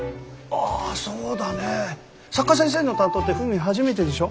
あそうだね。作家先生の担当ってフーミン初めてでしょ。